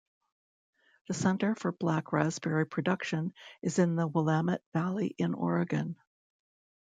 The center for black raspberry production is in the Willamette Valley in Oregon.